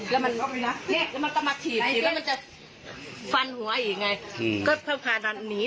แล้วมันก็มาถีบแล้วมันจะฟันหัวอีก